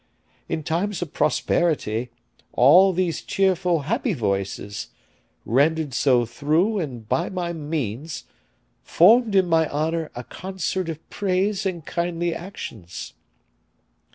In times of prosperity, all these cheerful, happy voices rendered so through and by my means formed in my honor a concert of praise and kindly actions.